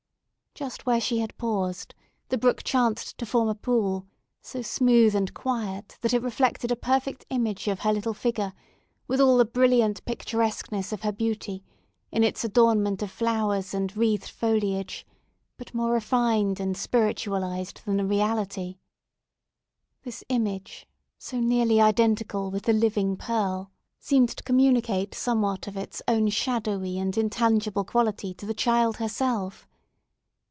Just where she had paused, the brook chanced to form a pool so smooth and quiet that it reflected a perfect image of her little figure, with all the brilliant picturesqueness of her beauty, in its adornment of flowers and wreathed foliage, but more refined and spiritualized than the reality. This image, so nearly identical with the living Pearl, seemed to communicate somewhat of its own shadowy and intangible quality to the child herself.